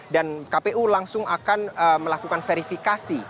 dan kpu langsung akan melakukan verifikasi